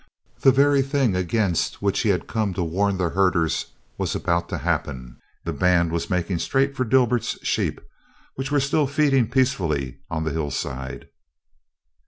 The very thing against which he had come to warn the herders was about to happen the band was making straight for Dibert's sheep, which were still feeding peacefully on the hillside.